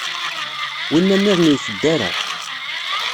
Winna nniḍen ur iteddu ara.